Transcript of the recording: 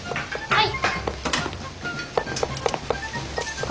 はい。